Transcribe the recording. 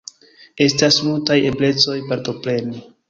Estas multaj eblecoj partopreni.